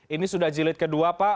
ini sudah jilid ii